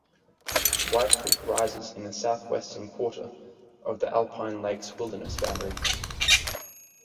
White Creek rises in the southwestern quarter of the Alpine Lakes Wilderness boundary.